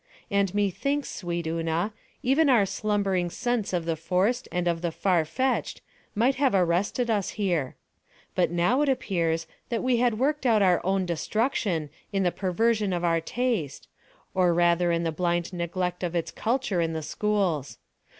And methinks, sweet Una, even our slumbering sense of the forced and of the far fetched might have arrested us here. But now it appears that we had worked out our own destruction in the perversion of our taste, or rather in the blind neglect of its culture in the schools.